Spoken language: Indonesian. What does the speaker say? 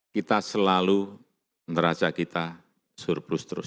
kita selalu neraca kita surplus terus